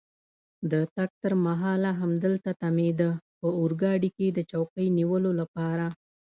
د تګ تر مهاله همدلته تمېده، په اورګاډي کې د چوکۍ نیولو لپاره.